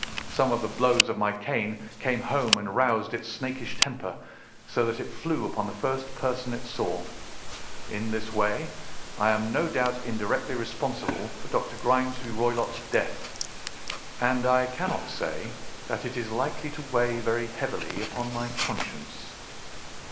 Some of the blows of my cane came home and roused its snakish temper, so that it flew upon the first person it saw. In this way I am no doubt indirectly responsible for Dr. Grimesby Roylott's death, and I cannot say that it is likely to weigh very heavily upon my conscience."